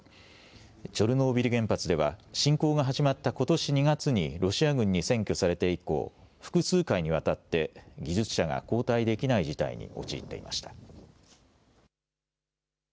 チョルノービリ原発では侵攻が始まったことし２月にロシア軍に占拠されて以降、複数回にわたって技術者が交代できない事態に陥っていました。